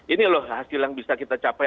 ini loh hasil yang bisa kita capai